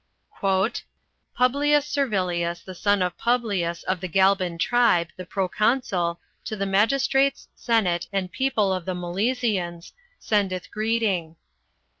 "Publius Servilius, the son of Publius, of the Galban tribe, the proconsul, to the magistrates, senate, and people of the Milesians, sendeth greeting.